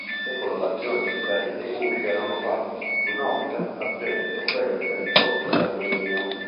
Le colorazioni di serie dei gusci erano quattro: blu notte, argento, verde, rosso carminio.